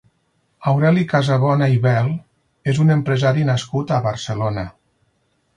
Aureli Casabona i Bel és un empresari nascut a Barcelona.